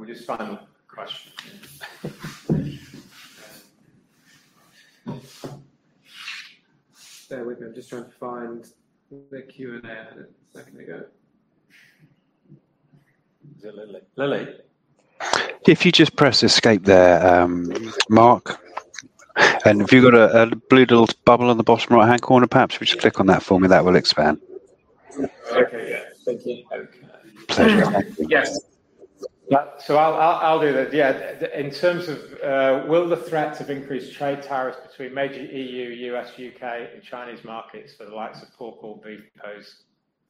We just found a question. Bear with me. I'm just trying to find the Q&A. I had it a second ago. Is it Lily? Lily. If you just press escape there, Marc. If you've got a blue little bubble on the bottom right-hand corner, perhaps, if you click on that for me, that will expand. Okay. Yeah. Thank you. Pleasure. Yes. I'll do that. Yeah. In terms of, will the threat of increased trade tariffs between major EU, U.S., U.K., and Chinese markets for the likes of pork or beef pose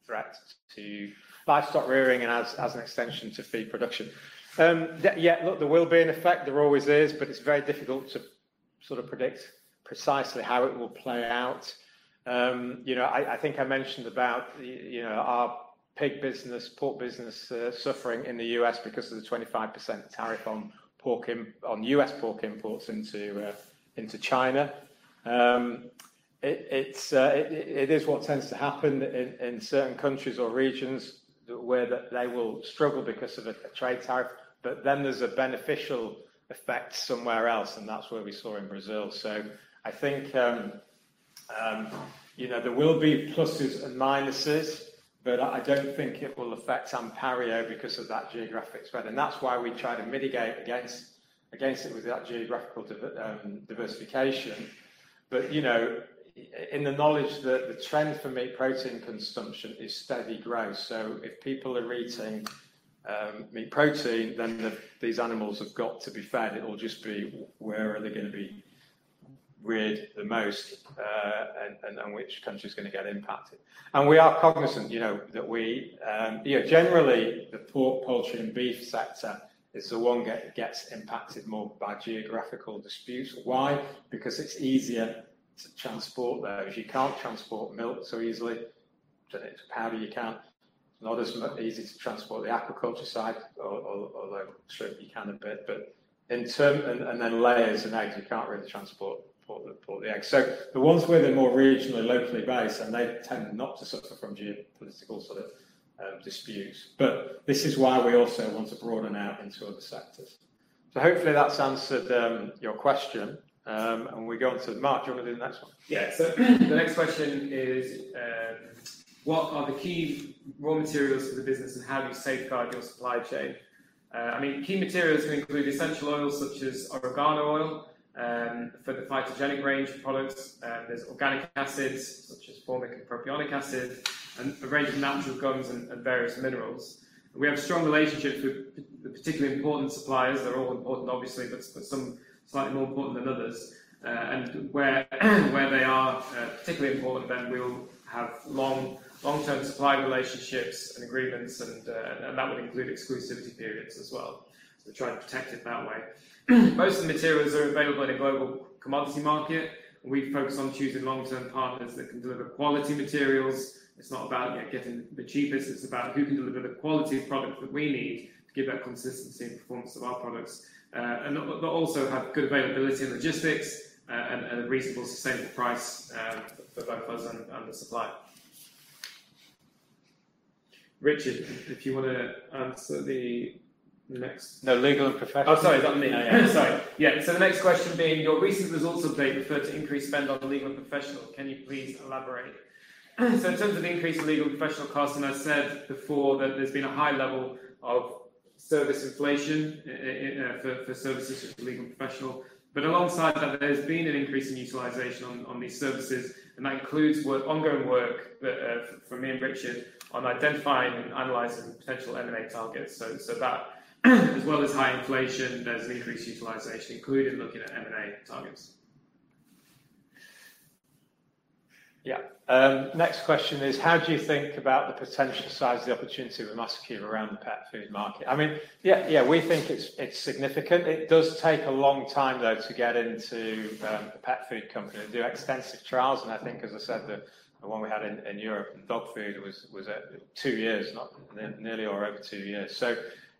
threats to livestock rearing and as an extension to feed production? Yeah, look, there will be an effect. There always is, but it's very difficult to sort of predict precisely how it will play out. You know, I think I mentioned about, you know, our pig business, pork business, suffering in the U.S. because of the 25% tariff on U.S. pork imports into China. It is what tends to happen in certain countries or regions where they will struggle because of a trade tariff, but then there's a beneficial effect somewhere else, and that's what we saw in Brazil. I think you know there will be pluses and minuses, but I don't think it will affect Anpario because of that geographic spread, and that's why we try to mitigate against it with that geographical diversification. You know in the knowledge that the trend for meat protein consumption is steady growth. If people are eating meat protein, then these animals have got to be fed. It'll just be where are they gonna be reared the most and which country is gonna get impacted. We are cognizant that generally the pork, poultry and beef sector is the one that gets impacted more by geographical disputes. Why? Because it's easier to transport those. You can't transport milk so easily. To powder you can. It's not as easy to transport the aquaculture side or like shrimp, you can a bit, but and then layers and eggs, you can't really transport layers and eggs. The ones where they're more regionally, locally based, and they tend not to suffer from geopolitical sort of disputes. But this is why we also want to broaden out into other sectors. Hopefully that's answered your question. We go on to Marc. Do you wanna do the next one? Yeah. The next question is, what are the key raw materials for the business, and how do you safeguard your supply chain? I mean, key materials can include essential oils such as oregano oil, for the phytogenic range of products. There's organic acids such as formic and propionic acid, and a range of natural gums and various minerals. We have strong relationships with particularly important suppliers. They're all important obviously, but some slightly more important than others. And where they are particularly important, then we'll have long-term supply relationships and agreements, and that would include exclusivity periods as well. Try and protect it that way. Most of the materials are available in a global commodity market. We focus on choosing long-term partners that can deliver quality materials. It's not about getting the cheapest, it's about who can deliver the quality of product that we need to give that consistency and performance of our products. But also have good availability and logistics, and a reasonable sustainable price, for both us and the supplier. Richard, if you wanna answer the next. No, legal and professional. Oh, sorry. That was me. Yeah. Sorry. Yeah. The next question being: Your recent results update referred to increased spend on legal and professional. Can you please elaborate? In terms of the increase in legal and professional costs, and I said before that there's been a high level of service inflation, for services such as legal and professional. Alongside that, there's been an increase in utilization on these services, and that includes ongoing work that for me and Richard on identifying and analyzing potential M&A targets. That as well as high inflation, there's an increased utilization including looking at M&A targets. Yeah. Next question is: How do you think about the potential size of the opportunity with Mastercube around the pet food market? I mean, yeah, we think it's significant. It does take a long time, though, to get into a pet food company. They do extensive trials, and I think, as I said, the one we had in Europe in dog food was nearly or over two years.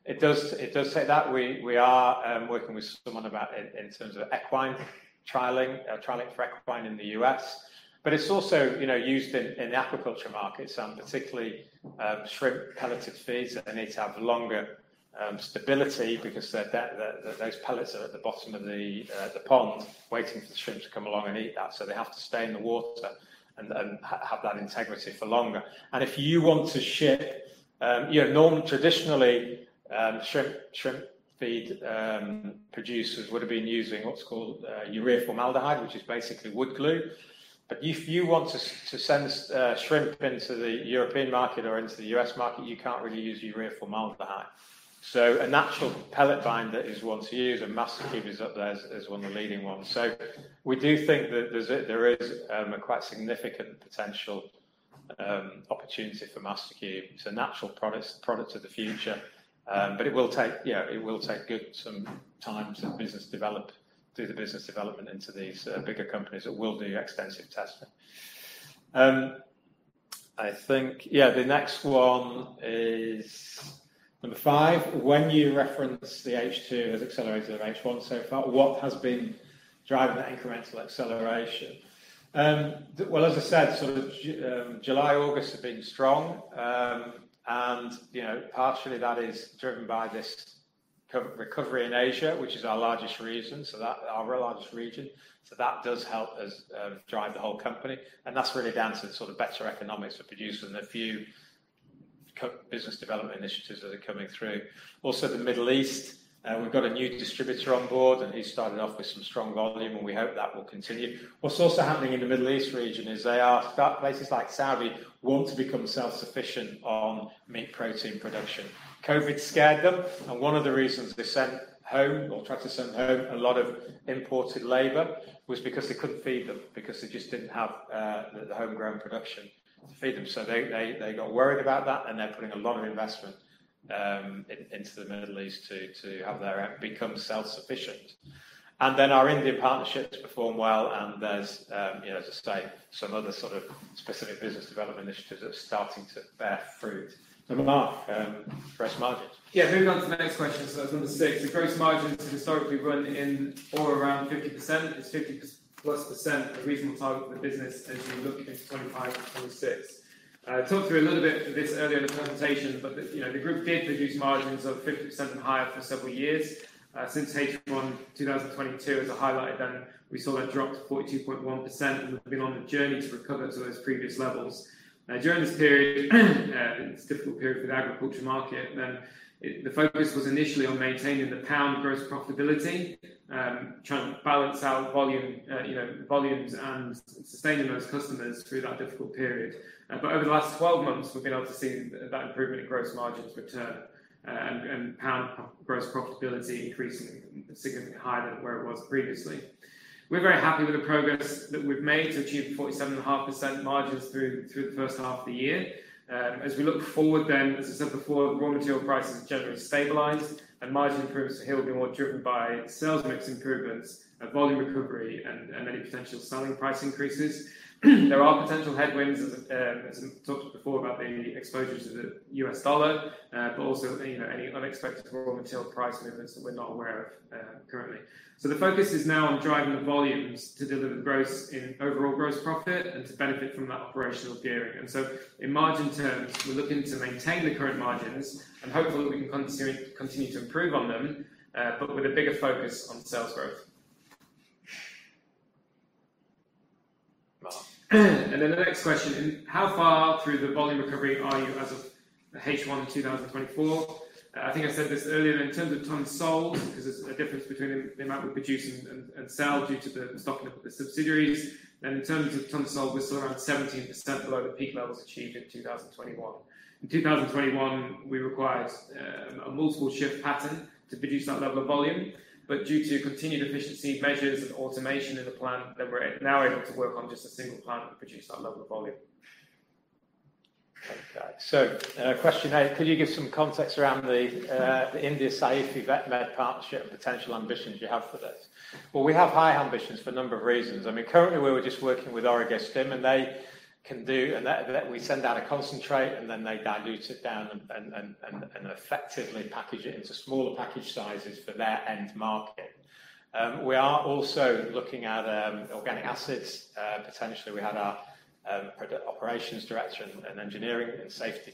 It does take that. We are working with someone about, in terms of equine trialing for equine in the U.S. It's also, you know, used in the aquaculture market, so in particular, shrimp pelleted feeds that they need to have longer stability because those pellets are at the bottom of the pond waiting for the shrimp to come along and eat that. They have to stay in the water and have that integrity for longer. If you want to ship, you know, traditionally, shrimp feed producers would have been using what's called urea formaldehyde, which is basically wood glue. If you want to send shrimp into the European market or into the U.S. market, you can't really use urea formaldehyde. A natural pellet binder is one to use, and Mastercube is up there as one of the leading ones. We do think that there is a quite significant potential opportunity for Mastercube. It's a natural product of the future. But it will take some time to do the business development into these bigger companies that will do extensive testing. I think the next one is number five. When you reference the H2 as accelerator of H1 so far, what has been driving that incremental acceleration? Well, as I said, July, August have been strong. And you know, partially that is driven by this COVID recovery in Asia, which is our largest region. That does help us drive the whole company, and that's really down to the sort of better economics we produce and the few business development initiatives that are coming through. The Middle East, we've got a new distributor on board, and he's started off with some strong volume, and we hope that will continue. What's also happening in the Middle East region is places like Saudi want to become self-sufficient on meat protein production. COVID scared them, and one of the reasons they sent home or tried to send home a lot of imported labor was because they couldn't feed them because they just didn't have the homegrown production to feed them. They got worried about that, and they're putting a lot of investment into the Middle East to have become self-sufficient. Our Indian partnerships perform well, and there's, you know, as I say, some other sort of specific business development initiatives that are starting to bear fruit. Marc, gross margins. Yeah. Moving on to the next question. That's number six. The gross margins have historically run in or around 50%. Is 50%+ a reasonable target for the business as we look into 2025 and 2026? I talked through a little bit of this earlier in the presentation, but the, you know, the group did produce margins of 50% and higher for several years. Since H1 2022, as I highlighted then, we saw that drop to 42.1%. We've been on the journey to recover to those previous levels. Now, during this period, it's a difficult period for the agriculture market. The focus was initially on maintaining the per-pound gross profitability, trying to balance out volume, you know, volumes and sustaining those customers through that difficult period. Over the last 12 months, we've been able to see that improvement in gross margins return, and pound-for-pound gross profitability increasing significantly higher than where it was previously. We're very happy with the progress that we've made to achieve 47.5% margins through the first half of the year. As we look forward, as I said before, raw material prices have generally stabilized, and margin improvements here will be more driven by sales mix improvements, volume recovery and any potential selling price increases. There are potential headwinds as we talked before about the exposure to the U.S. dollar, but also, you know, any unexpected raw material price movements that we're not aware of currently. The focus is now on driving the volumes to deliver gains in overall gross profit and to benefit from that operational gearing. In margin terms, we're looking to maintain the current margins and hopefully we can continue to improve on them, but with a bigger focus on sales growth. Marc. The next question. How far through the volume recovery are you as of H1 2024? I think I said this earlier in terms of tons sold, because there's a difference between the amount we produce and sell due to the stocking of the subsidiaries. In terms of tons sold, we're still around 17% below the peak levels achieved in 2021. In 2021, we required a multiple shift pattern to produce that level of volume. Due to continued efficiency measures and automation in the plant, we're now able to work on just a single plant and produce that level of volume. Okay. Question eight. Could you give some context around the India Saife Vetmed partnership and potential ambitions you have for this? Well, we have high ambitions for a number of reasons. I mean, currently we were just working with Orego-Stim, and that we send out a concentrate, and then they dilute it down and effectively package it into smaller package sizes for their end market. We are also looking at organic acids. Potentially, we had our operations director and engineering and safety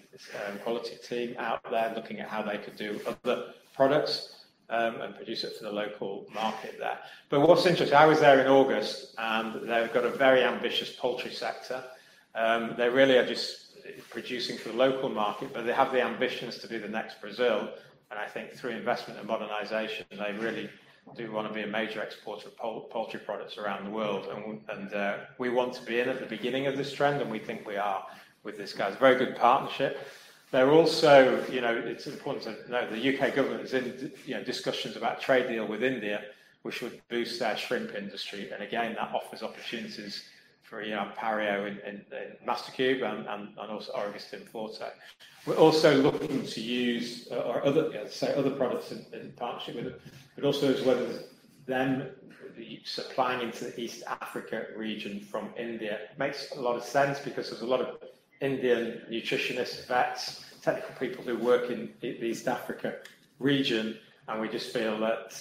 quality team out there looking at how they could do other products, and produce it for the local market there. What's interesting, I was there in August, and they've got a very ambitious poultry sector. They really are just producing for the local market, but they have the ambitions to be the next Brazil. I think through investment and modernization, they really do wanna be a major exporter of poultry products around the world. We want to be in at the beginning of this trend, and we think we are with this guy. It's a very good partnership. They're also, you know, it's important to note the U.K. government is in, you know, discussions about trade deal with India, which would boost their shrimp industry. That offers opportunities for, you know, Anpario and Mastercube and also Orego-Stim. We're also looking to use our other products in partnership with them, but also as whether them supplying into the East Africa region from India makes a lot of sense because there's a lot of Indian nutritionist vets, technical people who work in East Africa region, and we just feel that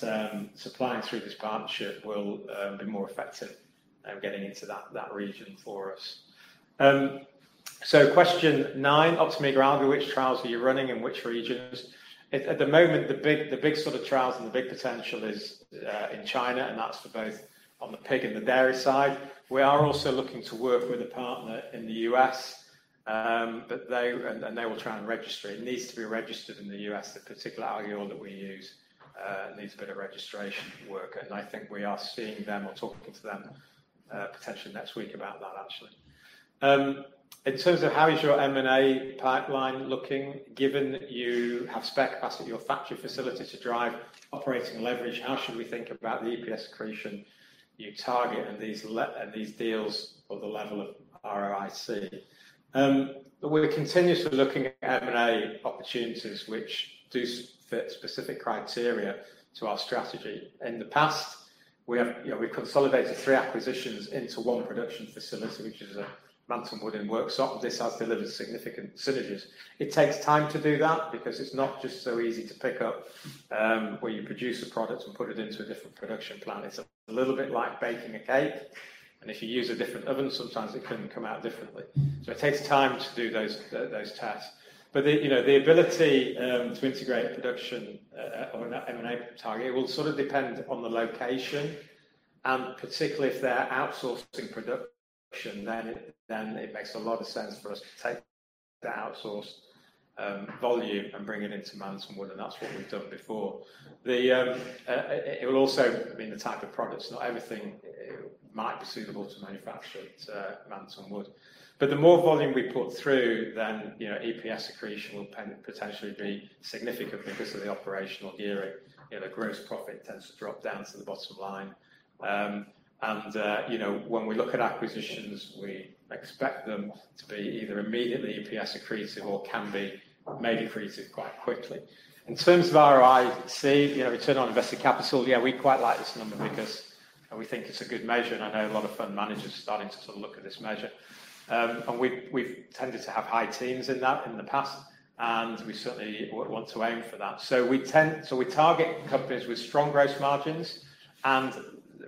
supplying through this partnership will be more effective at getting into that region for us. Question nine. Optomega, which trials are you running in which regions? At the moment, the big sort of trials and the big potential is in China, and that's for both on the pig and the dairy side. We are also looking to work with a partner in the U.S., but they will try and register. It needs to be registered in the U.S. The particular algal oil that we use needs a bit of registration work, and I think we are seeing them or talking to them potentially next week about that actually. In terms of how is your M&A pipeline looking, given you have spare capacity at your factory facility to drive operating leverage, how should we think about the EPS accretion you target and these deals for the level of ROIC? We're continuously looking at M&A opportunities which do fit specific criteria to our strategy. In the past, we have, you know, we consolidated three acquisitions into one production facility, which is Manton Wood. This has delivered significant synergies. It takes time to do that because it's not just so easy to pick up where you produce a product and put it into a different production plant. It's a little bit like baking a cake, and if you use a different oven, sometimes it can come out differently. It takes time to do those tasks. The ability to integrate production on an M&A target will sort of depend on the location, and particularly if they're outsourcing production, then it makes a lot of sense for us to take the outsourced volume and bring it into Manton Wood, and that's what we've done before. It will also, I mean, the type of products, not everything might be suitable to manufacture at Manton Wood. The more volume we put through, then you know, EPS accretion will potentially be significant because of the operational gearing. You know, the gross profit tends to drop down to the bottom line. You know, when we look at acquisitions, we expect them to be either immediately EPS accretive or can be made accretive quite quickly. In terms of ROIC, you know, return on invested capital, yeah, we quite like this number because we think it's a good measure, and I know a lot of fund managers are starting to sort of look at this measure. We've tended to have high teens in that in the past, and we certainly would want to aim for that. We target companies with strong gross margins and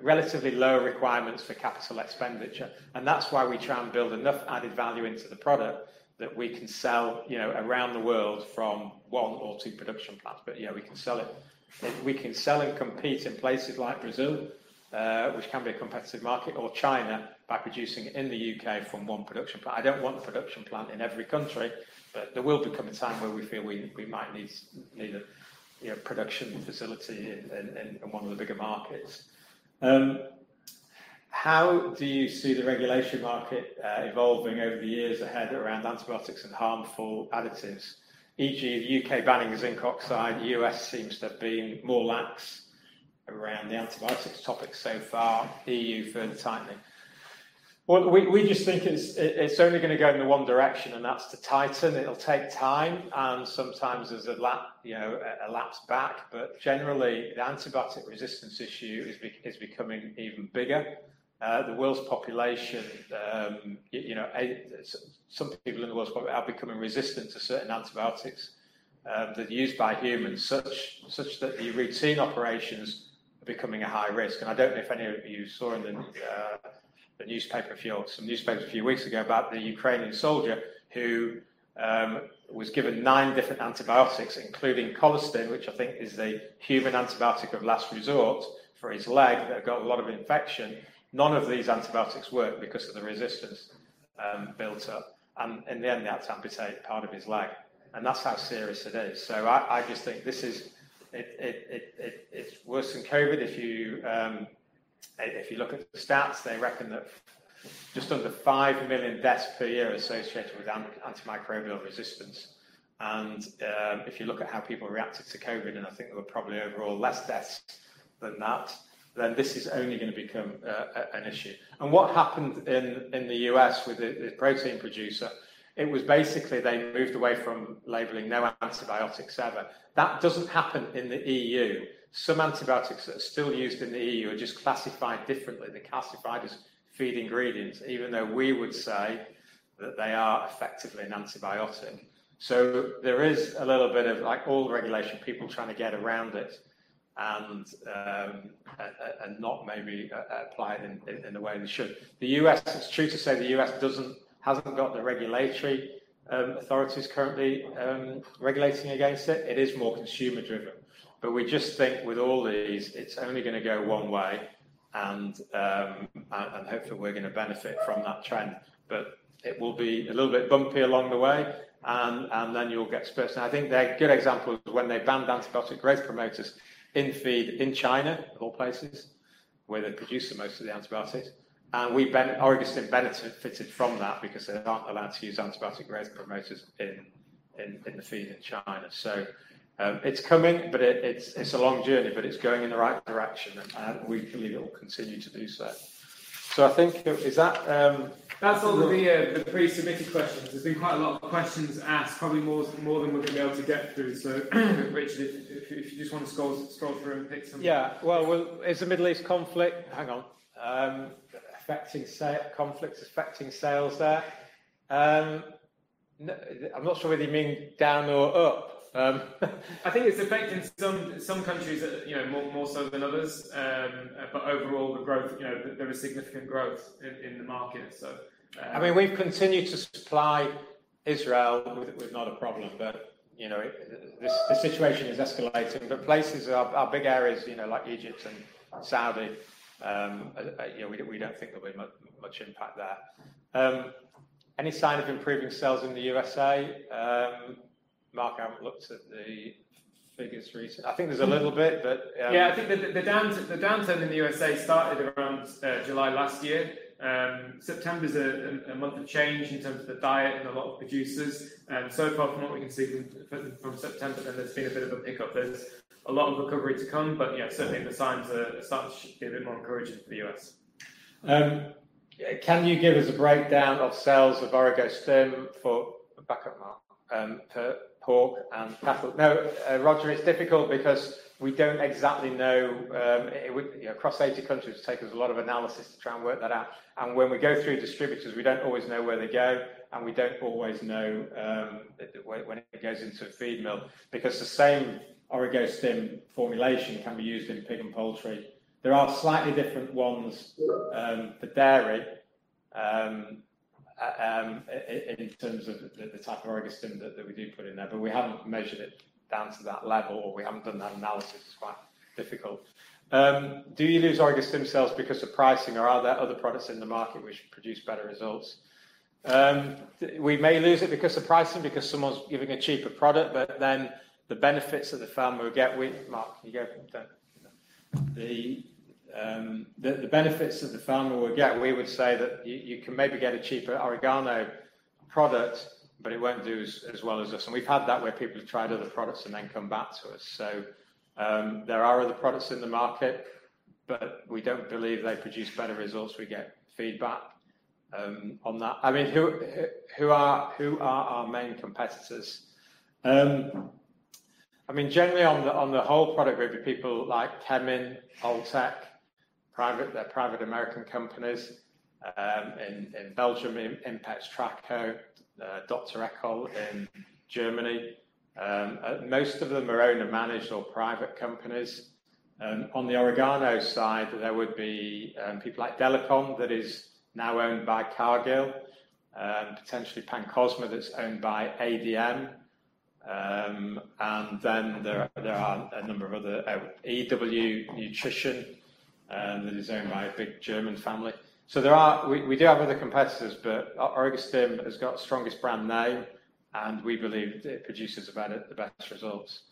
relatively low requirements for capital expenditure. That's why we try and build enough added value into the product that we can sell, you know, around the world from one or two production plants. Yeah, we can sell it. We can sell and compete in places like Brazil, which can be a competitive market, or China, by producing in the U.K. from one production plant. I don't want a production plant in every country, but there will be coming a time where we feel we might need a production facility in one of the bigger markets. How do you see the regulatory market evolving over the years ahead around antibiotics and harmful additives? E.g., the U.K. banning zinc oxide, U.S. seems to have been more lax around the antibiotics topic so far. EU further tightening. Well, we just think it's only gonna go in the one direction, and that's to tighten. It'll take time, and sometimes there's a lapse back. Generally, the antibiotic resistance issue is becoming even bigger. The world's population, you know, some people in the world's population are becoming resistant to certain antibiotics that are used by humans such that the routine operations are becoming a high risk. I don't know if any of you saw in some newspapers a few weeks ago about the Ukrainian soldier who was given nine different antibiotics, including Colistin, which I think is the human antibiotic of last resort, for his leg that had got a lot of infection. None of these antibiotics worked because of the resistance built up. In the end, they had to amputate part of his leg. That's how serious it is. I just think this is worse than COVID. If you look at the stats, they reckon that just under 5 million deaths per year are associated with antimicrobial resistance. If you look at how people reacted to COVID, and I think there were probably overall less deaths than that, then this is only gonna become an issue. What happened in the U.S. with the protein producer, it was basically they moved away from labeling no antibiotics ever. That doesn't happen in the EU. Some antibiotics that are still used in the EU are just classified differently. They're classified as feed ingredients, even though we would say that they are effectively an antibiotic. There is a little bit of, like all regulation, people trying to get around it and not maybe apply it in the way they should. The U.S., it's true to say the U.S. hasn't got the regulatory authorities currently regulating against it. It is more consumer-driven. We just think with all these, it's only gonna go one way, and hopefully, we're gonna benefit from that trend. It will be a little bit bumpy along the way, and then you'll get to a person. I think a good example is when they banned antibiotic growth promoters in feed in China, of all places, where they produce the most of the antibiotics. We benefited from that because they're not allowed to use antibiotic growth promoters in the feed in China. It's coming, but it's a long journey, but it's going in the right direction, and we feel it will continue to do so. I think. Is that? That's all the pre-submitted questions. There's been quite a lot of questions asked, probably more than we're gonna be able to get through. Richard, if you just want to scroll through and pick some. Yeah. Well, is the Middle East conflict affecting sales there? No, I'm not sure whether you mean down or up. I think it's affecting some countries, you know, more so than others. Overall, the growth, you know, there is significant growth in the market, so. I mean, we've continued to supply Israel with not a problem. You know, this situation is escalating. Places, our big areas, you know, like Egypt and Saudi, you know, we don't think there'll be much impact there. Any sign of improving sales in the U.S.A.? Marc, haven't looked at the figures recent. I think there's a little bit, but. Yeah, I think the downturn in the U.S. started around July last year. September is a month of change in terms of the diet and a lot of producers. So far from what we can see from September then there's been a bit of a pickup. There's a lot of recovery to come but yeah, certainly the signs are starting to be a bit more encouraging for the U.S. Can you give us a breakdown of sales of Orego-Stim? Back up, Marc. Per pork and cattle? No, Roger, it's difficult because we don't exactly know. It would take us a lot of analysis to try and work that out across 80 countries. When we go through distributors, we don't always know where they go, and we don't always know when it goes into a feed mill because the same Orego-Stim formulation can be used in pig and poultry. There are slightly different ones for dairy in terms of the type of Orego-Stim that we do put in there. We haven't measured it down to that level, or we haven't done that analysis. It's quite difficult. Do you lose Orego-Stim sales because of pricing or are there other products in the market which produce better results? We may lose it because of pricing, because someone's giving a cheaper product, but then the benefits that the farmer will get with... Marc, can you go from there? The benefits that the farmer will get, we would say that you can maybe get a cheaper oregano product, but it won't do as well as us. We've had that where people have tried other products and then come back to us. There are other products in the market, but we don't believe they produce better results. We get feedback on that. Who are our main competitors? Generally on the whole product group, people like Kemin, Alltech, private. They're private American companies. In Belgium, Impextraco, Dr. Eckel in Germany. Most of them are owner-managed or private companies. On the oregano side, there would be people like Delacon that is now owned by Cargill. Potentially Pancosma that's owned by ADM. There are a number of other EW Nutrition that is owned by a big German family. We do have other competitors, but Orego-Stim has got the strongest brand name, and we believe that it produces about the best results.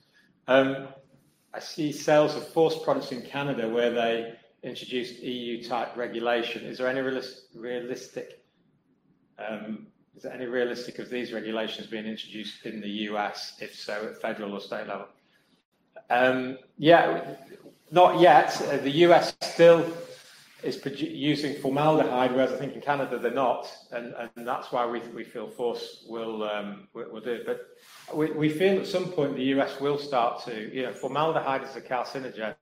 I see sales of pHorce products in Canada where they introduced EU-type regulation. Is there any realistic chance of these regulations being introduced in the U.S.? If so, at federal or state level? Yeah. Not yet. The U.S. still is using formaldehyde, whereas I think in Canada they're not. That's why we feel pHorce will do. We feel at some point the U.S. will start to. You know, formaldehyde is a carcinogen,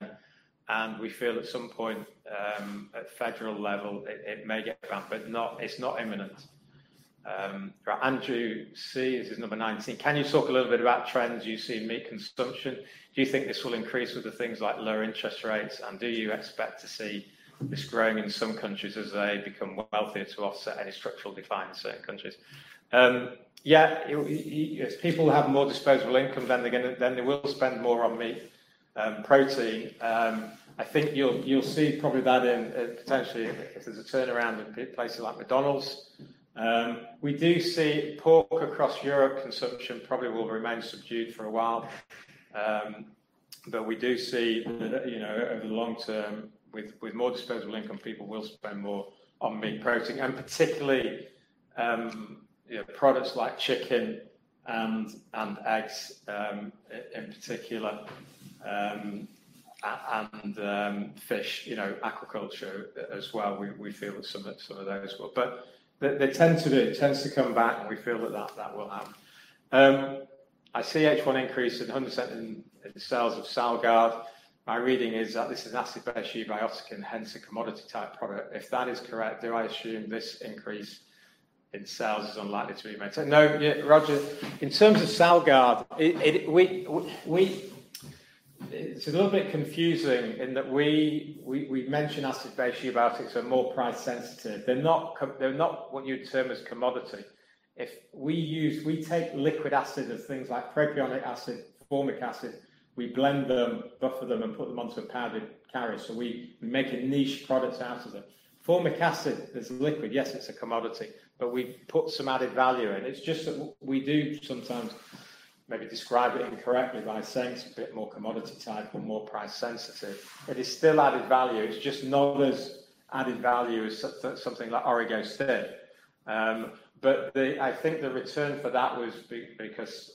and we feel at some point at federal level it may get banned, but it's not imminent. Andrew C. This is number 19. Can you talk a little bit about trends you see in meat consumption? Do you think this will increase with the things like lower interest rates? Do you expect to see this growing in some countries as they become wealthier to offset any structural decline in certain countries? Yeah. As people have more disposable income, they will spend more on meat protein. I think you'll see probably that in potentially if there's a turnaround in places like McDonald's. We do see pork consumption across Europe probably will remain subdued for a while. We do see, you know, over the long term with more disposable income, people will spend more on meat protein and particularly, you know, products like chicken and eggs, in particular, and fish, you know, aquaculture as well, we feel some of those will. They tend to come back and we feel that will happen. I see H1 increase in 100% in the sales of Salgard. My reading is that this is acid-based eubiotic and hence a commodity type product. If that is correct, do I assume this increase in sales is unlikely to be maintained? No. Yeah, Roger, in terms of Salgard, it's a little bit confusing in that we've mentioned acid-based eubiotics are more price sensitive. They're not what you'd term as commodity. We take liquid acids, things like propionic acid, formic acid, we blend them, buffer them, and put them onto a powdered carrier. So we make niche products out of them. Formic acid is liquid. Yes, it's a commodity, but we put some added value in. It's just that we do sometimes maybe describe it incorrectly by saying it's a bit more commodity type or more price sensitive. It is still added value. It's just not as added value as something like Orego-Stim. But the I think the return for that was because,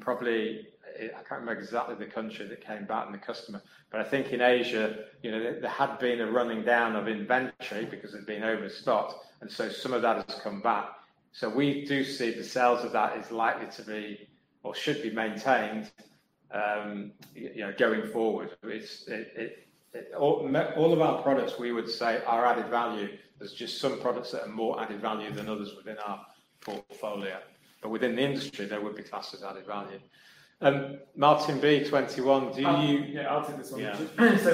probably, I can't remember exactly the country that came back and the customer, but I think in Asia, you know, there had been a running down of inventory because there'd been overstock, and so some of that has come back. We do see the sales of that is likely to be or should be maintained, you know, going forward. All of our products, we would say are added value. There's just some products that are more added value than others within our portfolio. Within the industry, they would be classed as added value. Martin B. 21. Do you- Yeah, I'll take this one. Yeah.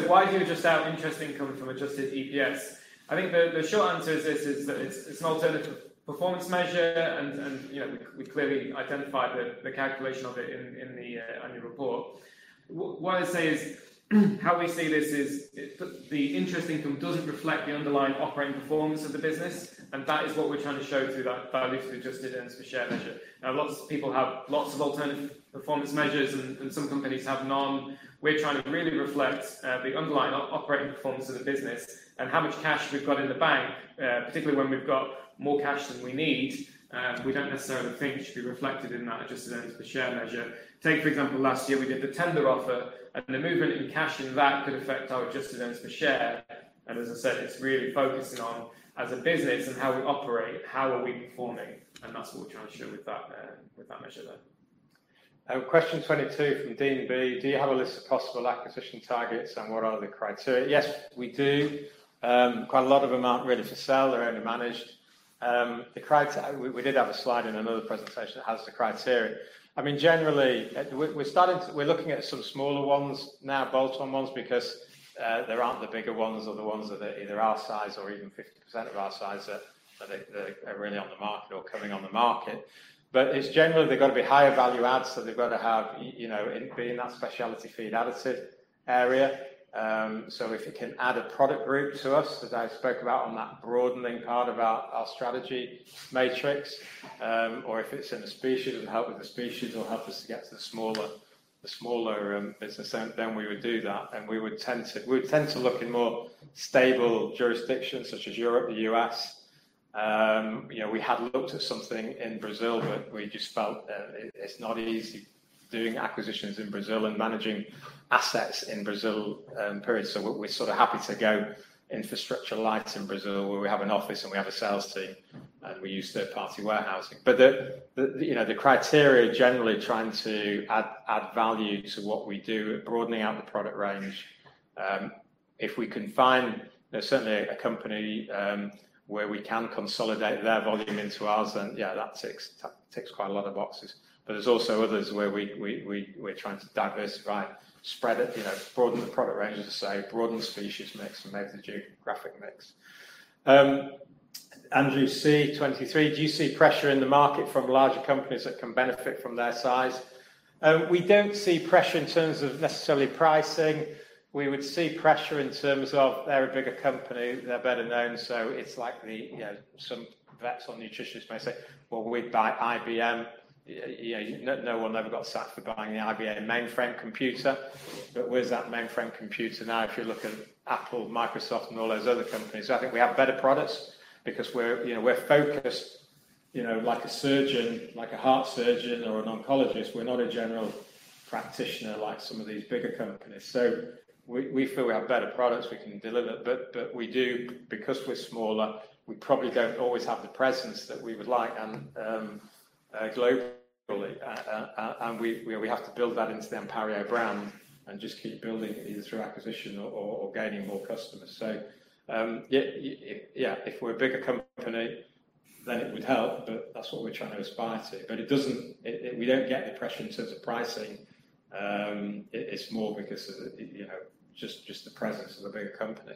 Why do you adjust out interest income from adjusted EPS? I think the short answer to this is that it's an alternative performance measure and, you know, we clearly identified the calculation of it in the annual report. What we say is, how we see this is it, the interest income doesn't reflect the underlying operating performance of the business, and that is what we're trying to show through that adjusted earnings per share measure. Now, lots of people have lots of alternative performance measures and some companies have none. We're trying to really reflect the underlying operating performance of the business and how much cash we've got in the bank, particularly when we've got more cash than we need. We don't necessarily think it should be reflected in that adjusted earnings per share measure. Take, for example, last year we did the tender offer and the movement in cash in that could affect our adjusted earnings per share. As I said, it's really focusing on as a business and how we operate, how are we performing? That's what we're trying to show with that measure there. Question 22 from Dean B: Do you have a list of possible acquisition targets, and what are the criteria? Yes, we do. Quite a lot of them aren't really for sale, they're owned and managed. We did have a slide in another presentation that has the criteria. I mean, generally, we're looking at some smaller ones now, bolt-on ones, because there aren't the bigger ones or the ones that are either our size or even 50% of our size that are really on the market or coming on the market. But it's generally, they've got to be higher value adds, so they've got to have, you know, in, be in that specialty feed additive area. If it can add a product group to us, as I spoke about on that broadening part about our strategy matrix, or if it's in a species and help with the species or help us to get to the smaller business then we would do that. We would tend to look in more stable jurisdictions such as Europe, the U.S. You know, we had looked at something in Brazil, but we just felt it's not easy doing acquisitions in Brazil and managing assets in Brazil, period. We're sort of happy to go infrastructure-light in Brazil, where we have an office, and we have a sales team, and we use third-party warehousing. You know, the criteria generally trying to add value to what we do, broadening out the product range. If we can find, you know, certainly a company where we can consolidate their volume into ours then, yeah, that ticks quite a lot of boxes. There's also others where we're trying to diversify, spread it, you know, broaden the product range, as I say, broaden the species mix and maybe the geographic mix. Andrew C, 23: Do you see pressure in the market from larger companies that can benefit from their size? We don't see pressure in terms of necessarily pricing. We would see pressure in terms of they're a bigger company, they're better known, so it's likely, you know, some vets or nutritionists may say, "Well, we'd buy IBM." You know, no one ever got sacked for buying the IBM mainframe computer. Where's that mainframe computer now if you look at Apple, Microsoft, and all those other companies? I think we have better products because we're, you know, focused, you know, like a surgeon, like a heart surgeon or an oncologist. We're not a general practitioner like some of these bigger companies. We feel we have better products we can deliver. Because we're smaller, we probably don't always have the presence that we would like and globally. We have to build that into the Anpario brand and just keep building it either through acquisition or gaining more customers. If we're a bigger company, then it would help, but that's what we're trying to aspire to. We don't get any pressure in terms of pricing. It's more because of the, you know, just the presence of a bigger company.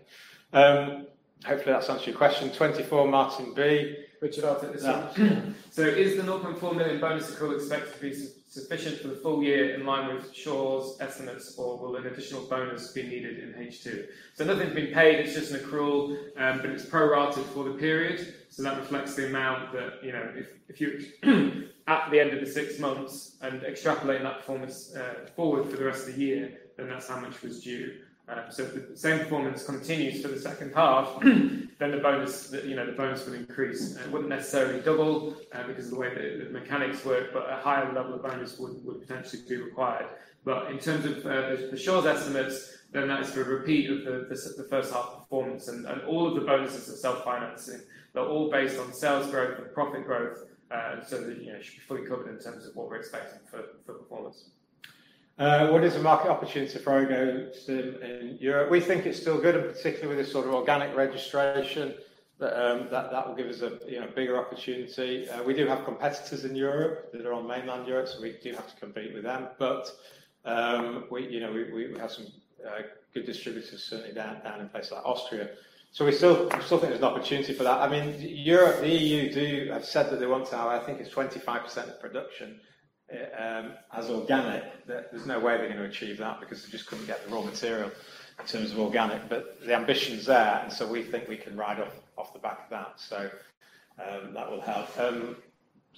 Hopefully that's answered your question. 24, Martin B. Richard, I'll take this one. Yeah. Is the 0.4 million bonus accrual expected to be sufficient for the full year in line with Shore's estimates, or will an additional bonus be needed in H2? Nothing's been paid, it's just an accrual, but it's prorated for the period, so that reflects the amount that, you know, if at the end of the six months and extrapolate that performance forward for the rest of the year, then that's how much was due. If the same performance continues for the second half, then the bonus, you know, the bonus would increase. It wouldn't necessarily double, because of the way the mechanics work, but a higher level of bonus would potentially be required. In terms of Shore's estimates, then that is for a repeat of the first half performance. All of the bonuses are self-financing. They're all based on sales growth and profit growth, and so that, you know, should be fully covered in terms of what we're expecting for performance. What is the market opportunity for Orego-Stim in Europe? We think it's still good, and particularly with this sort of organic registration that will give us a you know bigger opportunity. We do have competitors in Europe that are on mainland Europe, so we do have to compete with them. We you know we have some good distributors certainly down in places like Austria. We still think there's an opportunity for that. I mean, Europe, the EU have said that they want to have, I think it's 25% of production as organic. There's no way they're gonna achieve that because they just couldn't get the raw material in terms of organic. The ambition's there, and we think we can ride off the back of that. That will help.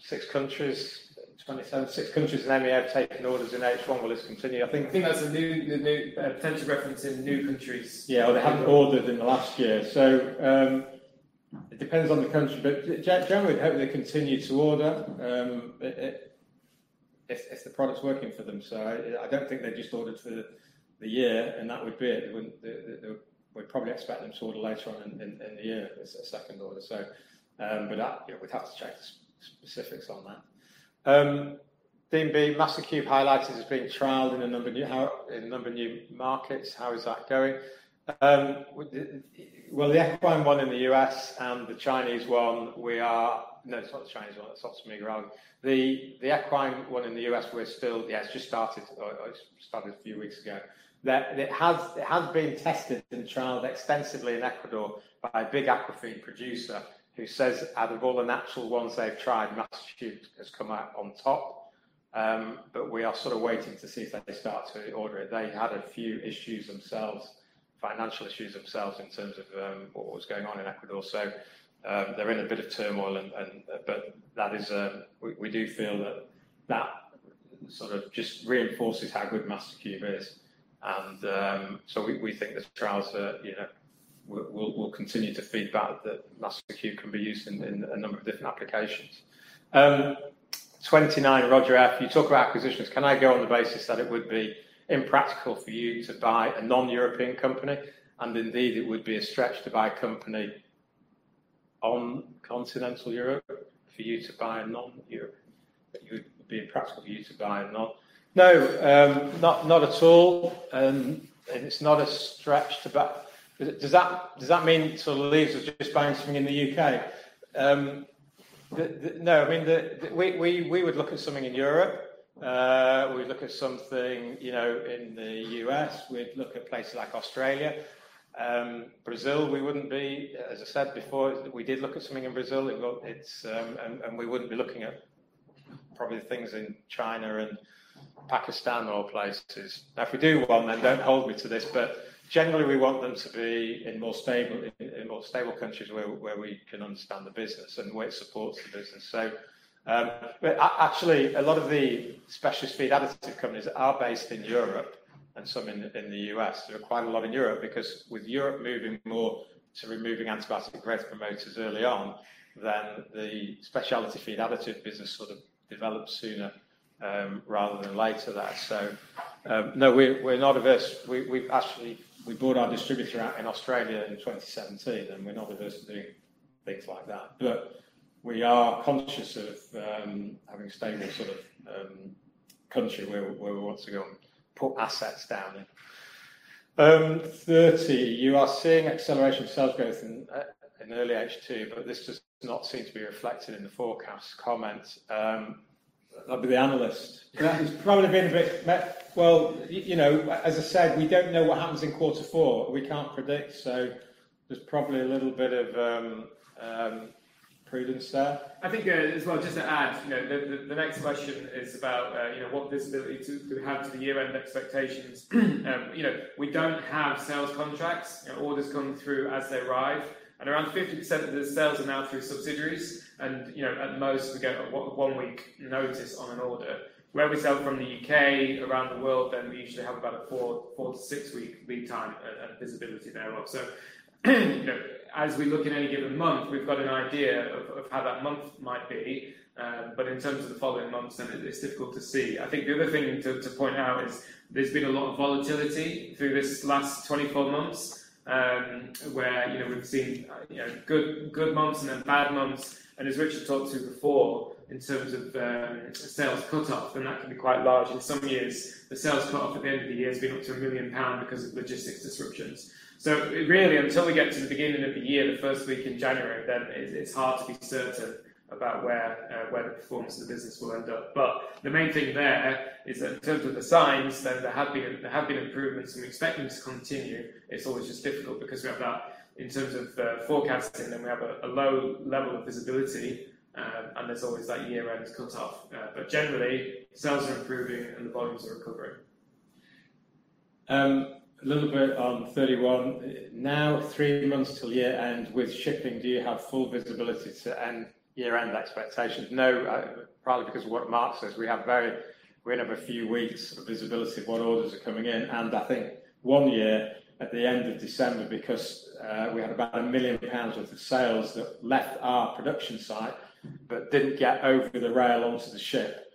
Six countries, 27. Six countries in EMEA have taken orders in H1. Will this continue? I think I think that's the new potential reference in new countries. Yeah, or they haven't ordered in the last year. It depends on the country, but generally we'd hope they continue to order if the product's working for them. I don't think they just ordered for the year and that would be it. They would probably expect them to order later on in the year as a second order. But that, you know, we'd have to check the specifics on that. Dean B: Mastercube highlighted as being trialed in a number of new markets. How is that going? Well, the equine one in the U.S. and the Chinese one. No, it's not the Chinese one. That's obviously me getting wrong. The equine one in the U.S., we're still. Yeah, it's just started. It has been tested and trialed extensively in Ecuador by a big aquafeed producer who says out of all the natural ones they've tried, Mastercube has come out on top. We are sort of waiting to see if they start to order it. They had a few financial issues in terms of what was going on in Ecuador. They're in a bit of turmoil. We do feel that that sort of just reinforces how good Mastercube is. We think the trials that, you know, will continue to feed back that Mastercube can be used in a number of different applications. 29, Roger F: You talk about acquisitions. Can I go on the basis that it would be impractical for you to buy a non-European company? Indeed, it would be a stretch to buy a company on continental Europe. No, not at all. It's not a stretch to buy. Does that mean that sort of leaves us just buying something in the U.K.? No. I mean, we would look at something in Europe. We'd look at something, you know, in the U.S., we'd look at places like Australia. Brazil, we wouldn't be. As I said before, we did look at something in Brazil. It's. We wouldn't be looking at probably things in China and Pakistan or places. Now, if we do one, then don't hold me to this. Generally, we want them to be in more stable countries where we can understand the business and the way it supports the business. Actually, a lot of the specialist feed additive companies are based in Europe and some in the U.S. There are quite a lot in Europe because with Europe moving more to removing antibiotic growth promoters early on, then the specialty feed additive business sort of developed sooner rather than later that. No. We're not averse. We've actually brought our distributor out in Australia in 2017, and we're not averse to doing things like that. We are conscious of having stable sort of country where we want to go and put assets down in. 30: You are seeing acceleration of sales growth in early H2, but this does not seem to be reflected in the forecast comment. That'd be the analyst. Yeah. Well, you know, as I said, we don't know what happens in quarter four. We can't predict, so there's probably a little bit of prudence there. I think, as well, just to add, you know, the next question is about, you know, what visibility to have to the year-end expectations. You know, we don't have sales contracts. You know, orders come through as they arrive. Around 50% of the sales are now through subsidiaries and, you know, at most we get a one week notice on an order. Where we sell from the U.K. around the world, then we usually have about a four to six week lead time, visibility thereof. You know, as we look in any given month, we've got an idea of how that month might be. In terms of the following months, then it's difficult to see. I think the other thing to point out is there's been a lot of volatility through this last 24 months, where you know, we've seen you know, good months and then bad months. As Richard talked about before, in terms of sales cutoff, and that can be quite large. In some years, the sales cutoff at the end of the year has been up to 1 million pounds because of logistics disruptions. Really, until we get to the beginning of the year, the first week in January, then it's hard to be certain about where the performance of the business will end up. The main thing there is that in terms of the signs, then there have been improvements, and we expect them to continue. It's always just difficult because we have that. In terms of forecasting, then we have a low level of visibility. There's always that year-end cutoff. Generally, sales are improving and the volumes are recovering. A little bit on 31. Now three months till year-end, with shipping, do you have full visibility to end year-end expectations? No, probably because of what Marc says. We only have a few weeks of visibility of what orders are coming in. I think last year at the end of December, because we had about 1 million pounds worth of sales that left our production site but didn't get over the rail onto the ship.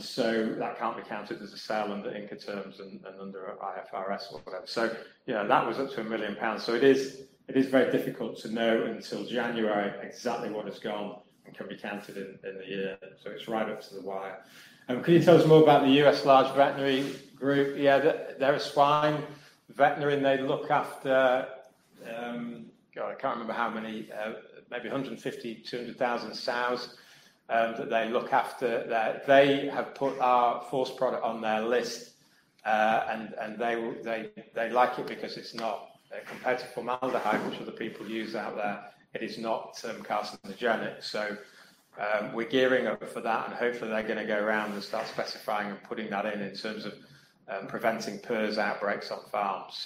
So that can't be counted as a sale under Incoterms and under IFRS or whatever. You know, that was up to 1 million pounds. So it is very difficult to know until January exactly what has gone and can be counted in the year. So it's right up to the wire. Can you tell us more about the U.S. large veterinary group? Yeah. They're a swine veterinarian. They look after. God, I can't remember how many. Maybe 150,000-200,000 sows that they look after. They have put our pHorce product on their list. And they like it because it's not compared to formaldehyde, which other people use out there, it is not carcinogenic. We're gearing up for that, and hopefully they're gonna go around and start specifying and putting that in terms of preventing PRRS outbreaks on farms.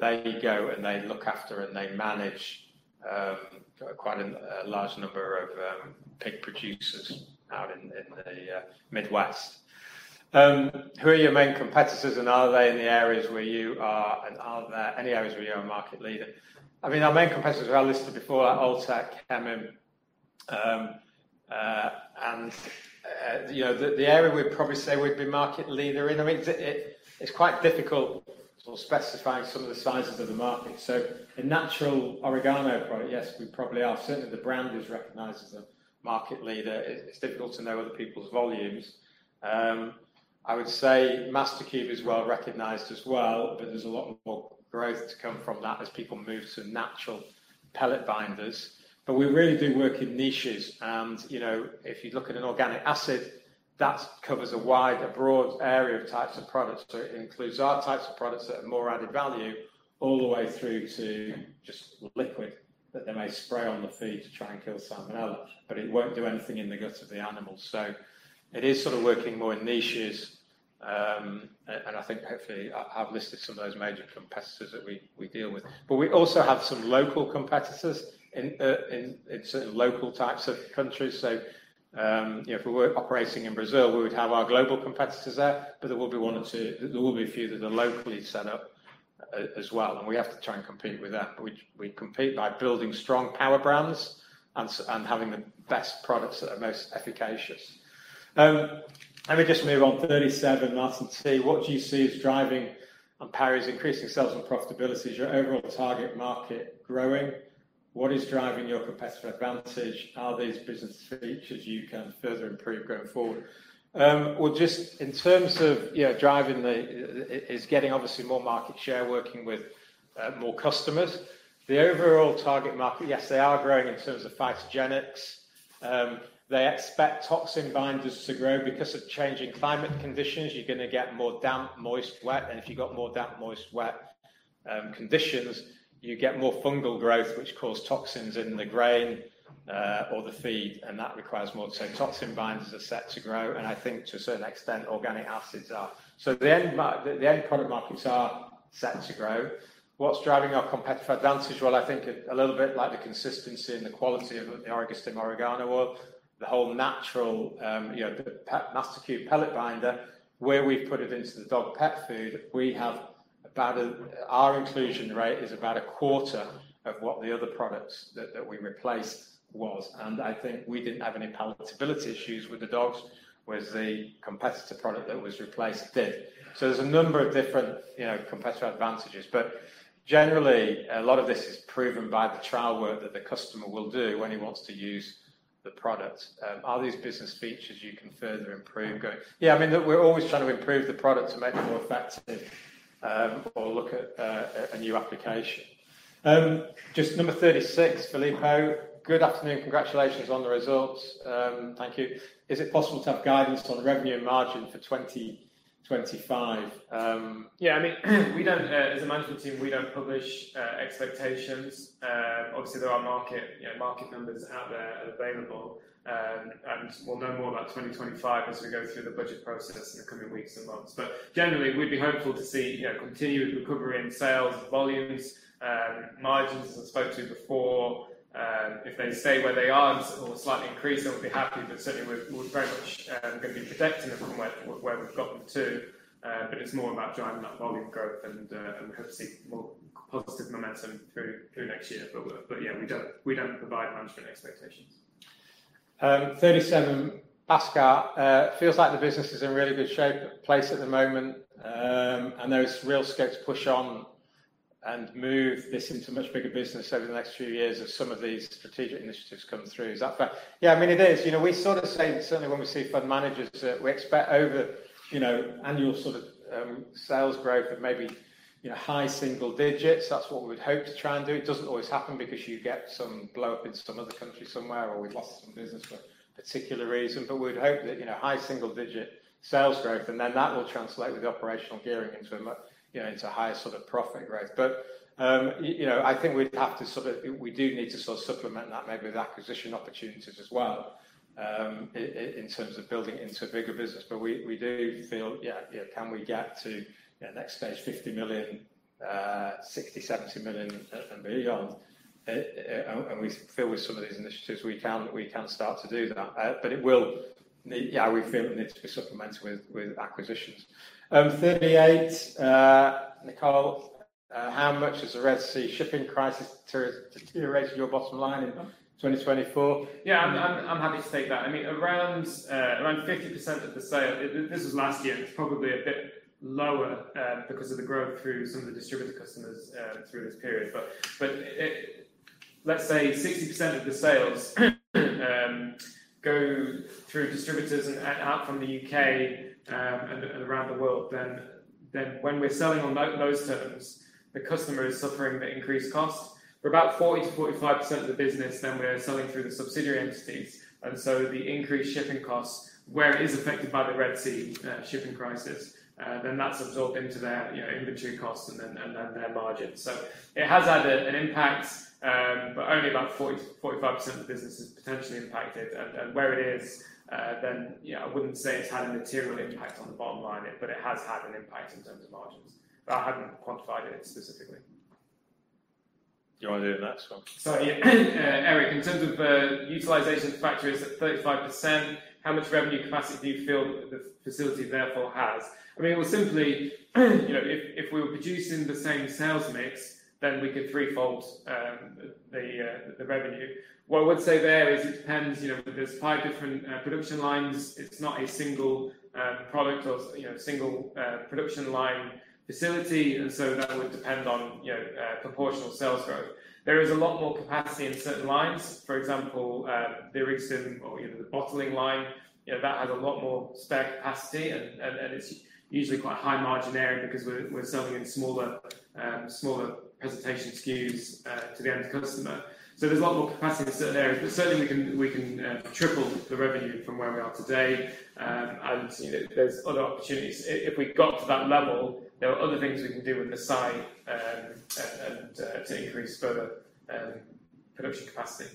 They go and look after and manage quite a large number of pig producers out in the Midwest. Who are your main competitors, and are they in the areas where you are, and are there any areas where you're a market leader? I mean, our main competitors are listed before Alltech, Kemin. You know, the area we'd probably say we'd be market leader in, I mean, it's quite difficult sort of specifying some of the sizes of the market. A natural oregano product, yes, we probably are. Certainly, the brand is recognized as a market leader. It's difficult to know other people's volumes. I would say Mastercube is well-recognized as well, but there's a lot more growth to come from that as people move to natural pellet binders. We really do work in niches and, you know, if you look at an organic acid, that covers a wide, a broad area of types of products. It includes our types of products that are more added value all the way through to just liquid that they may spray on the feed to try and kill salmonella, but it won't do anything in the guts of the animals. It is sort of working more in niches. I think hopefully I've listed some of those major competitors that we deal with. We also have some local competitors in certain local types of countries. You know, if we were operating in Brazil, we would have our global competitors there, but there will be a few that are locally set up as well, and we have to try and compete with that. We compete by building strong power brands and having the best products that are most efficacious. Let me just move on. 37, Martin C. What do you see as driving Anpario's increasing sales and profitability? Is your overall target market growing? What is driving your competitive advantage? Are these business features you can further improve going forward? Well, just in terms of, you know, getting obviously more market share, working with more customers. The overall target market, yes, they are growing in terms of phytogenics. They expect toxin binders to grow because of changing climate conditions. You're gonna get more damp, moist, wet, and if you've got more damp, moist, wet conditions, you get more fungal growth, which cause toxins in the grain or the feed, and that requires more. So toxin binders are set to grow, and I think to a certain extent, organic acids are. The end product markets are set to grow. What's driving our competitive advantage? Well, I think a little bit like the consistency and the quality of the authentic oregano oil. The whole natural, you know, the Mastercube pellet binder, where we've put it into the dog pet food, our inclusion rate is about a quarter of what the other products that we replaced was, and I think we didn't have any palatability issues with the dogs, whereas the competitor product that was replaced did. There's a number of different, you know, competitive advantages. Generally, a lot of this is proven by the trial work that the customer will do when he wants to use the product. Are these business features you can further improve? Yeah, I mean, look, we're always trying to improve the product to make it more effective, or look at a new application. Just number 36, Filippo. Good afternoon. Congratulations on the results. Thank you. Is it possible to have guidance on revenue margin for 2025? Yeah, I mean, we don't, as a management team, we don't publish expectations. Obviously, there are market, you know, market numbers out there available. We'll know more about 2025 as we go through the budget process in the coming weeks and months. Generally, we'd be hopeful to see, you know, continued recovery in sales volumes. Margins as I spoke to before, if they stay where they are or slightly increase, then we'll be happy. Certainly, we're very much gonna be protecting them from where we've got them to. It's more about driving that volume growth and hope to see more positive momentum through next year. Yeah, we don't provide management expectations. 37, Bhaskar. Feels like the business is in really good shape at the moment. There is real scope to push on and move this into a much bigger business over the next few years as some of these strategic initiatives come through. Is that fair? Yeah, I mean, it is. You know, we sort of say, certainly when we see fund managers, that we expect over, you know, annual sort of, sales growth of maybe, you know, high single digits. That's what we would hope to try and do. It doesn't always happen because you get some blow-up in some other country somewhere or we've lost some business for a particular reason. We'd hope that, you know, high single digit sales growth and then that will translate with the operational gearing into a much, you know, into higher sort of profit growth. You know, I think we'd have to sort of supplement that maybe with acquisition opportunities as well in terms of building into a bigger business. We do feel, yeah, you know, can we get to next stage 50 million, 60 million, 70 million and beyond. And we feel with some of these initiatives we can start to do that. Yeah, we feel it needs to be supplemented with acquisitions. 38, Nicole, how much has the Red Sea shipping crisis deteriorated your bottom line in 2024? Yeah, I'm happy to take that. I mean, around 50% of the sales, this was last year. It's probably a bit lower because of the growth through some of the distributor customers through this period. Let's say 60% of the sales go through distributors and out from the U.K., and around the world, then when we're selling on those terms, the customer is suffering the increased costs. For about 40%-45% of the business, then we're selling through the subsidiary entities, and so the increased shipping costs where it is affected by the Red Sea shipping crisis, then that's absorbed into their, you know, inventory costs and then their margins. It has had an impact, but only about 40%-45% of the business is potentially impacted. Where it is, you know, I wouldn't say it's had a material impact on the bottom line, but it has had an impact in terms of margins. I haven't quantified it specifically. You want to do the next one? Sorry, Eric, in terms of utilization of factories at 35%, how much revenue capacity do you feel the facility therefore has? I mean, well, simply, you know, if we were producing the same sales mix, then we could threefold the revenue. What I would say there is it depends, you know, there's five different production lines. It's not a single product or, you know, single production line facility, and so that would depend on, you know, proportional sales growth. There is a lot more capacity in certain lines. For example, the Lysine or, you know, the bottling line, you know, that has a lot more spare capacity and it's usually quite high margin area because we're selling in smaller presentation SKUs to the end customer. There's a lot more capacity in certain areas, but certainly we can triple the revenue from where we are today. You know, there's other opportunities. If we got to that level, there are other things we can do with the site and to increase further production capacity.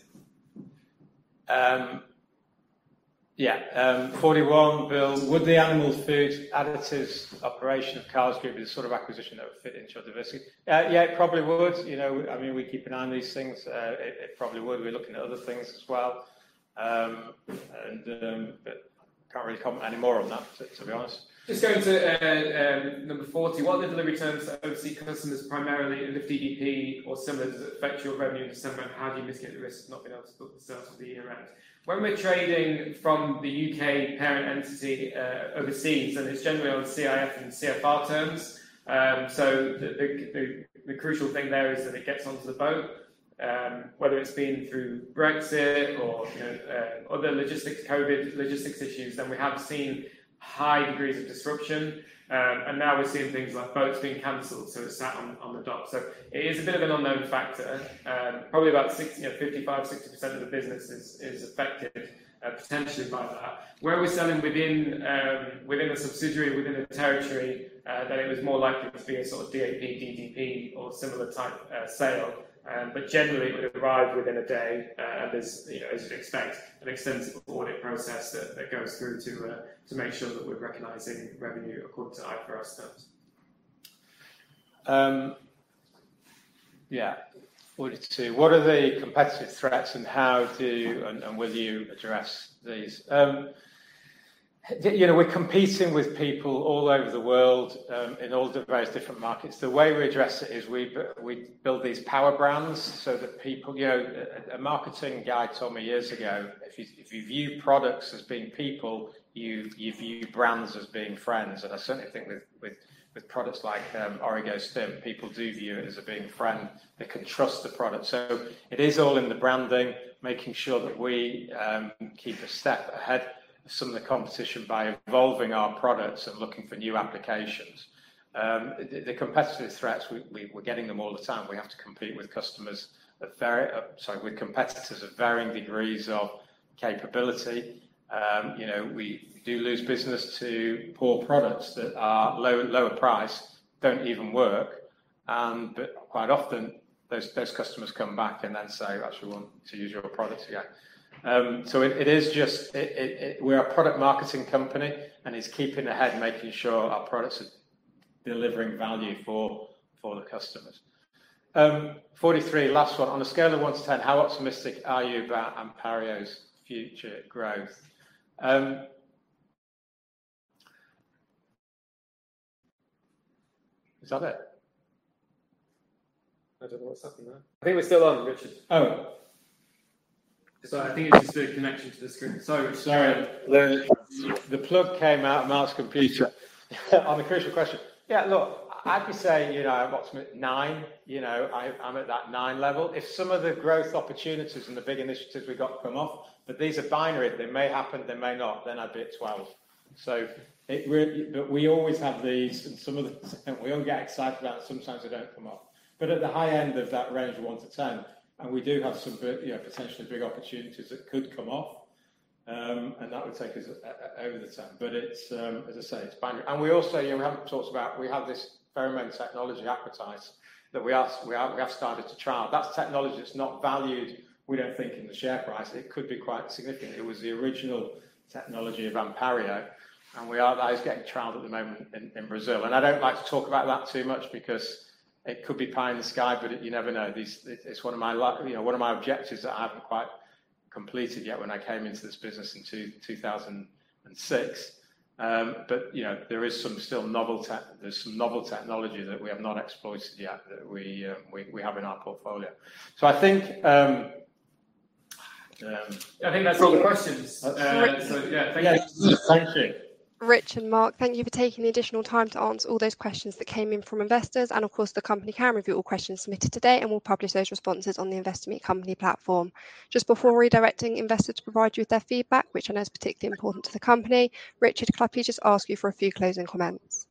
Yeah. 41, Bill. Would the animal food additives operation of Carr's Group be the sort of acquisition that would fit into your diversity? Yeah, it probably would. You know, I mean, we keep an eye on these things. It probably would. We're looking at other things as well. Can't really comment any more on that, to be honest. Just going to number 40: What are the delivery terms to overseas customers, primarily in the DDP or similar, does it affect your revenue in December, and how do you mitigate the risk of not being able to book the sales for the year end? When we're trading from the U.K. parent entity, overseas, and it's generally on CIF and CFR terms. The crucial thing there is that it gets onto the boat. Whether it's been through Brexit or, you know, other logistics, COVID logistics issues, then we have seen high degrees of disruption. Now we're seeing things like boats being canceled, so it's sat on the dock. It is a bit of an unknown factor. Probably about 55%-60% of the business is affected potentially by that. Where we're selling within the subsidiary, within the territory, then it was more likely to be a sort of DAP, DDP or similar type sale. Generally, it would arrive within a day. There's, you know, as you'd expect, an extensive audit process that goes through to make sure that we're recognizing revenue according to IFRS terms. Yeah. 42. What are the competitive threats and how do you and will you address these? You know, we're competing with people all over the world, in all the various different markets. The way we address it is we build these power brands so that people. You know, a marketing guy told me years ago, "If you, if you view products as being people, you view brands as being friends." I certainly think with products like Orego-Stim, people do view it as being a friend. They can trust the product. It is all in the branding, making sure that we keep a step ahead of some of the competition by evolving our products and looking for new applications. The competitive threats, we're getting them all the time. We have to compete with competitors of varying degrees of capability. You know, we do lose business to poor products that are lower priced, don't even work. Quite often, those customers come back and then say, "Actually, we want to use your products again." We're a product marketing company, and it's keeping ahead, making sure our products are delivering value for the customers. 43, last one: On a scale of 1 to 10, how optimistic are you about Anpario's future growth? Is that it? I don't know what's happened there. I think we're still on, Richard. Oh. I think it's just your connection to the screen. Sorry, Richard. Sorry. The plug came out of Marc's computer on the crucial question. Yeah, look, I'd be saying, you know, I'm nine. You know, I'm at that nine level. If some of the growth opportunities and the big initiatives we've got come off, but these are binary. They may happen, they may not, then I'd be at 12. We always have these and some of the we all get excited about, sometimes they don't come off. At the high end of that range of 1 to 10, and we do have some you know, potentially big opportunities that could come off. And that would take us over the 10. It's, as I say, it's binary. We also, you know, we haven't talked about, we have this fermented technology Aquatize that we have started to trial. That's technology that's not valued, we don't think, in the share price. It could be quite significant. It was the original technology of Anpario, that is getting trialed at the moment in Brazil. I don't like to talk about that too much because it could be pie in the sky, but you never know. It's one of my, you know, one of my objectives that I haven't quite completed yet when I came into this business in 2006. But, you know, there's some novel technology that we have not exploited yet that we have in our portfolio. So I think. I think that's all the questions. Yeah. Thank you. Thank you. Richard and Marc, thank you for taking the additional time to answer all those questions that came in from investors. Of course, the company can review all questions submitted today and will publish those responses on the Investor Meet Company platform. Just before redirecting investors to provide you with their feedback, which I know is particularly important to the company, Richard, could I please just ask you for a few closing comments?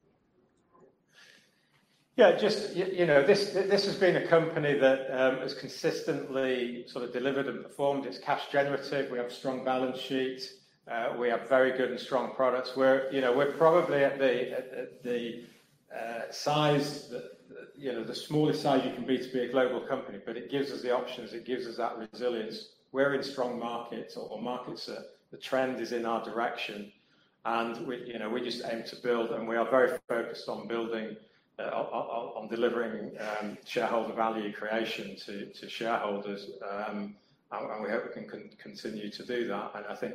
Yeah. Just you know this has been a company that has consistently sort of delivered and performed. It's cash generative. We have strong balance sheet. We have very good and strong products. You know we're probably at the size that you know the smallest size you can be to be a global company but it gives us the options. It gives us that resilience. We're in strong markets or markets that the trend is in our direction and we you know just aim to build and we are very focused on building on delivering shareholder value creation to shareholders. We hope we can continue to do that. I think.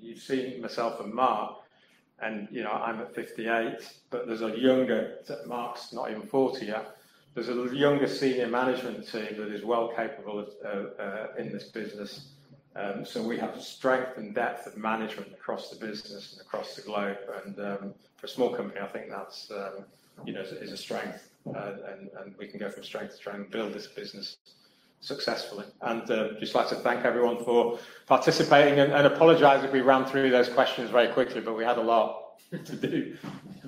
You've seen myself and Marc and you know I'm 58 but there's a younger. Marc's not even 40 yet. There's a younger senior management team that is well capable of in this business. We have strength and depth of management across the business and across the globe. For a small company, I think that's, you know, is a strength. We can go from strength to strength and build this business successfully. I just like to thank everyone for participating and apologize if we ran through those questions very quickly, but we had a lot to do.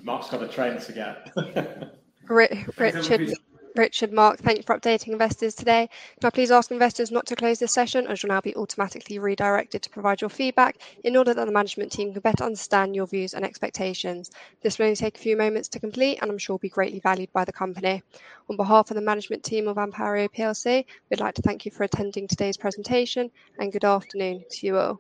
Marc's got a train to get. Ri-Richard- Is there a-? Richard, Marc, thank you for updating investors today. Could I please ask investors not to close this session, as you'll now be automatically redirected to provide your feedback in order that the management team can better understand your views and expectations. This will only take a few moments to complete, and I'm sure will be greatly valued by the company. On behalf of the management team of Anpario plc, we'd like to thank you for attending today's presentation, and good afternoon to you all.